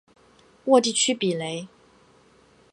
沃地区比雷。